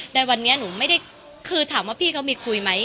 ในวันนี้หนูไม่ได้คือถามว่าพี่เขามีคุยไหม